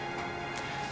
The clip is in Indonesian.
mau ditaruh aja dulu ya